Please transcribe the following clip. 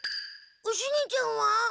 おシゲちゃんは？